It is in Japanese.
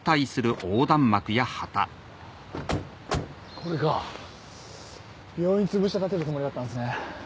これか病院潰して建てるつもりだったんっすね